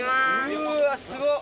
うわー、すごっ。